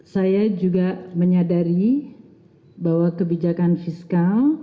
saya juga menyadari bahwa kebijakan fiskal